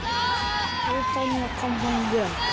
大谷の看板ぐらい。